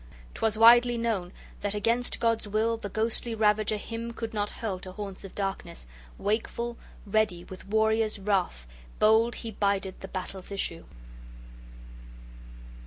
'Twas widely known that against God's will the ghostly ravager him {10a} could not hurl to haunts of darkness; wakeful, ready, with warrior's wrath, bold he bided the battle's issue.